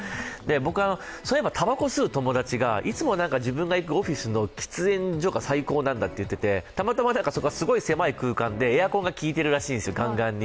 僕はそういえばたばこを吸う友達が、いつも行くオフィスの喫煙所が最高なんだと言ってて、たまたまそこはすごく狭い空間でエアコンがきいているらしいんですよ、ガンガンに。